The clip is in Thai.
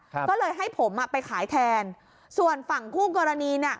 ก็เลยให้ผมไปขายแทนส่วนฝั่งคู่กรณี